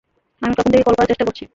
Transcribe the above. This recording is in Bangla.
আমি কখন থেকে কল করার চেষ্টা করছি।